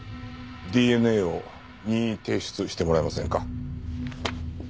ＤＮＡを任意提出してもらえませんか？